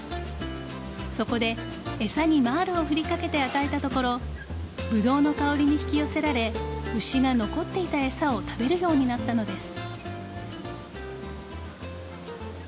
そこで餌にマールを振り掛けて与えたところブドウの香りに引き寄せられ牛が残っていた餌を食べるようになったのです。